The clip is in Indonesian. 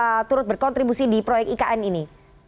apa yang bisa kita turut berkontribusi di proyek ikn ini